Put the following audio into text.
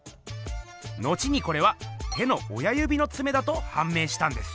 後にこれは手の親ゆびのツメだとはん明したんです。